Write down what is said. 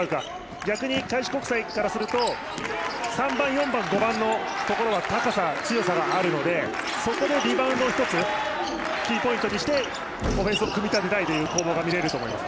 逆に開志国際からすると３番、４番、５番のところは高さ、強さがあるのでそこでリバウンドを１つキーポイントにしてオフェンスを組み立てたいという攻防が見られると思います。